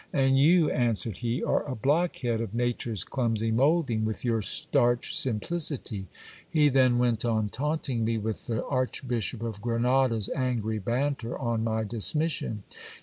And you, answered he, are a blockhead of nature's clumsy moulding, with your starch simplicity. He then went on taunt ing me with the archbishop of Grenada's angry banter on my dismission.